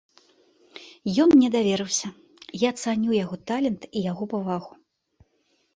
Ён мне даверыўся, я цаню яго талент і яго павагу.